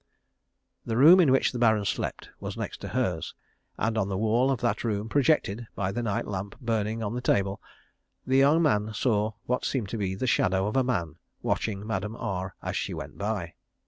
The room in which the Baron slept was next to hers, and on the wall of that room, projected by the night lamp burning on the table, the young man saw what seemed to be the shadow of a man watching Madame R as she went by.